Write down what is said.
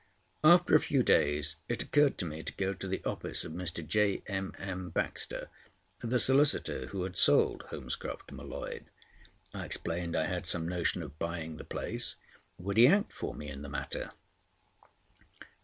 After a few days it occurred to me to go to the office of Mr. J.M.M. Baxter—the solicitor who had sold Holmescroft to M'Leod. I explained I had some notion of buying the place. Would he act for me in the matter?